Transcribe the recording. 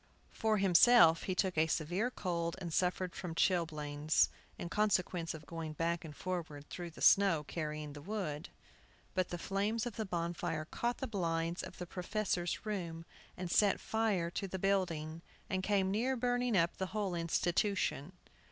For himself he took a severe cold and suffered from chilblains, in consequence of going back and forward through the snow, carrying the wood. But the flames of the bonfire caught the blinds of the professor's room, and set fire to the building, and came near burning up the whole institution.